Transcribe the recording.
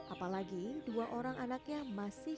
apalagi dua orang anaknya masih